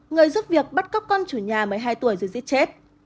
người giúp việc bắt cóc con chủ nhà một mươi hai tuổi rồi giết chết